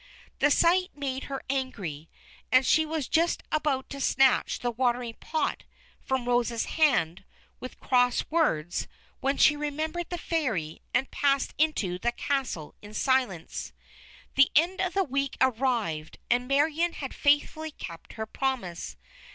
The sight made her angry, and she was just about to snatch the watering pot from Rose's hand with cross words, when she remembered the Fairy, and passed into the castle in silence. The end of the week arrived, and Marion had faithfully kept her promise.